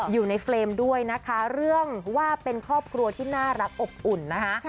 อยู่ในเฟรมด้วยนะคะเรื่องว่าเป็นครอบครัวที่น่ารักอบอุ่นนะคะ